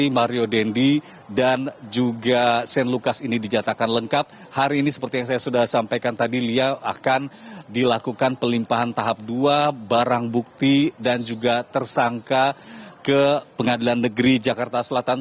mario dendi dan juga shane lucas ini dijatakan lengkap hari ini seperti yang saya sudah sampaikan tadi lia akan dilakukan pelimpahan tahap dua barang bukti dan juga tersangka ke pengadilan negeri jakarta selatan